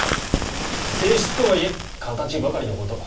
正室とはいえ形ばかりのこと。